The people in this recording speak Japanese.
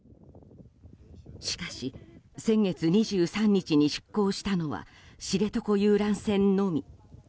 しかし、先月２３日に出港したのは知床遊覧船のみ。